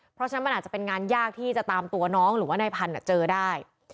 เพราะฉะนั้นมันอาจจะเป็นงานยากที่จะตามตัวน้องหรือว่านายพันธุ์เจอได้